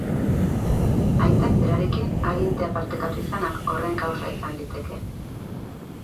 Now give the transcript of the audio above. Aitak berarekin agintea partekatu izanak horren kausa izan liteke.